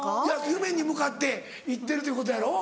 夢に向かって行ってるということやろ。